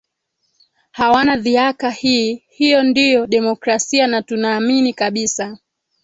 hawana dhiaka hii hiyo ndiyo demokrasia na tunaamini kabisa